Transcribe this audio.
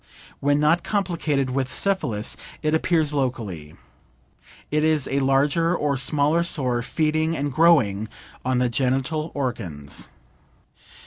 When not complicated with syphilis, it appears locally. It is a larger or smaller sore feeding and growing on the genital organs.